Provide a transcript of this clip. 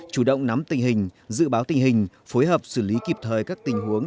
chủ động nắm tình hình dự báo tình hình phối hợp xử lý kịp thời các tình huống